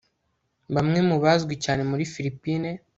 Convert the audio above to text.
Bamwe mu bazwi cyane muri fillipine